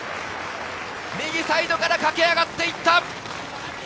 右サイドから駆け上がっていった。